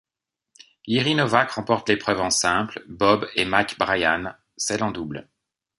Jiří Novák remporte l'épreuve en simple, Bob et Mike Bryan celle en double.